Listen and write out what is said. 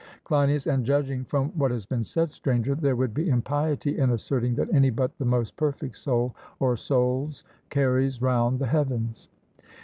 CLEINIAS: And judging from what has been said, Stranger, there would be impiety in asserting that any but the most perfect soul or souls carries round the heavens.